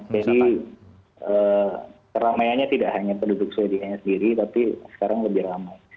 jadi keramaianya tidak hanya penduduk sweden nya sendiri tapi sekarang lebih ramai